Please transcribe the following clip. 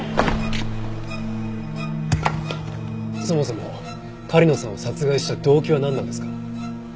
そもそも狩野さんを殺害した動機はなんなんですか？